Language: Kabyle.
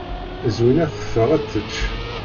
Zwina teffeɣ ad tečč.